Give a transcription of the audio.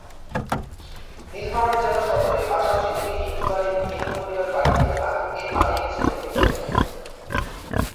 নীলফামারী জেলা সদরে পাশাপাশি দুটি হিন্দু পরিবারের বাড়িতে আগুন দিয়ে পালিয়ে গেছে দুর্বৃত্তরা।